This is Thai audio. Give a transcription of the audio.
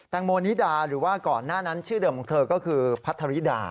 งโมนิดาหรือว่าก่อนหน้านั้นชื่อเดิมของเธอก็คือพัทธริดา